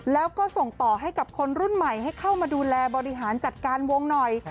แล้วก็ส่งต่อให้กับคนรุ่นใหม่ให้เข้ามาดูแลบริหารจัดการวงหน่อย